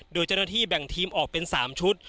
โดยเจ้าหน้าที่แบ่งทีมออกเป็น๓ชุด